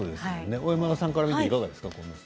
小山田さんから見ていかがですか。